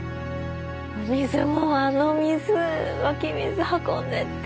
水もあの水湧き水運んで。